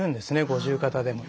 五十肩でも。